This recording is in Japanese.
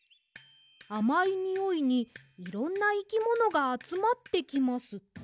「あまいにおいにいろんないきものがあつまってきます。